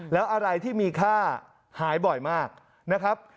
แล้วอะไรที่มีค่าหายบ่อยมากนะครับ